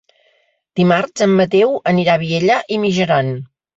Dimarts en Mateu anirà a Vielha e Mijaran.